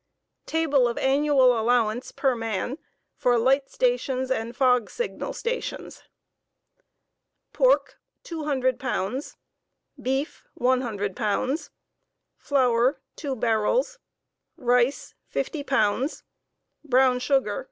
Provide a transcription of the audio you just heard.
Table of annual allowance per man far light stations and fog signal stations. Pork 200 pounds. Beef 1 100 pounds. Flour 2 barrels. Eice 50 pounds. Brown sugar.